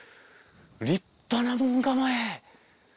立派な門構え。